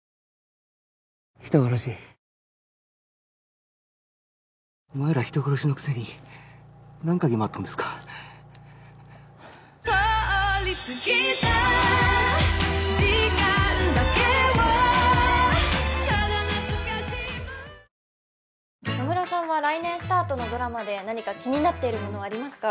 人殺しお前ら人殺しのくせに何嗅ぎまわっとんですか野村さんは来年スタートのドラマで何か気になってるものありますか